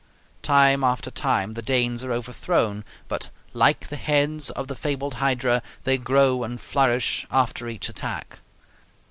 Time after time the Danes are overthrown, but, like the heads of the fabled Hydra, they grow and flourish after each attack.